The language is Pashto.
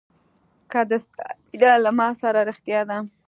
که د ستا مینه له ما سره رښتیا ده.